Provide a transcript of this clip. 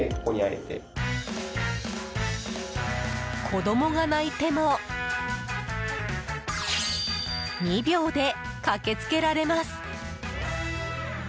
子供が泣いても２秒で駆けつけられます！